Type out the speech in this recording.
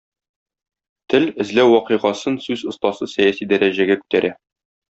"Тел" эзләү вакыйгасын сүз остасы сәяси дәрәҗәгә күтәрә.